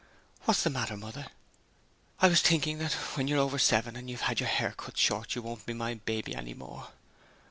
What's the matter, Mother?' 'I was thinking that when you're over seven and you've had your hair cut short you won't be a baby any more.'